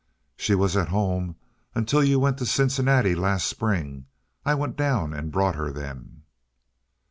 "She was at home until you went to Cincinnati last spring. I went down and brought her then."